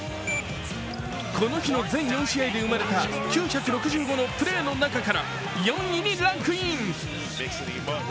この日の全４試合で生まれた９６５のプレーの中から４位にランクイン。